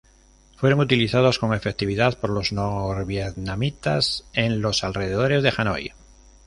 Fueron utilizados con efectividad por los norvietnamitas en los alrededores de Hanói.